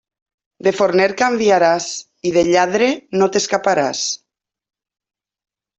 De forner canviaràs, i de lladre no t'escaparàs.